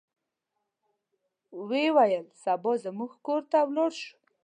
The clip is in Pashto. ویې ویل سبا به زموږ کور ته ولاړ شو.